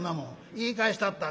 「言い返したった」。